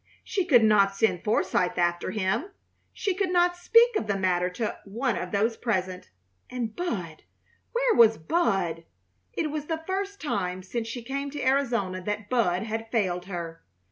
She could not send Forsythe after him. She could not speak of the matter to one of those present, and Bud where was Bud? It was the first time since she came to Arizona that Bud had failed her.